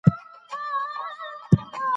او زموږ ملګری دی.